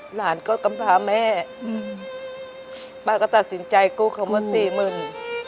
หลานก็กำพาแม่ป้าก็ตัดสินใจกู้เขามาสี่หมื่น